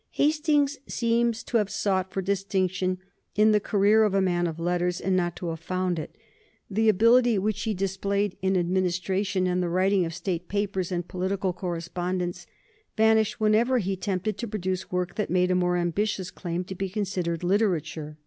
Hastings seems to have sought for distinction in the career of a man of letters and not to have found it. The ability which he displayed in administration and the writing of State papers and political correspondence vanished whenever he attempted to produce work that made a more ambitious claim to be considered literature.